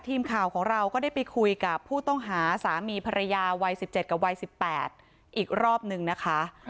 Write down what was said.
ทีมข่าวของเราก็ได้ไปคุยกับผู้ต้องหาสามีภาระยาวัยสิบเจ็ดกับวัยสิบแปดอีกรอบหนึ่งนะคะครับ